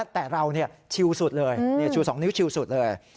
แต่เราชิวสุดเลยชู๒นิ้วชิลสุดเลย